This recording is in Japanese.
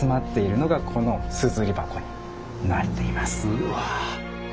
うわ！